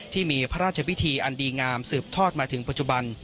ที่มีพระราชพิธีอันดีงามสืบทอดมาถึงปัจจุบัน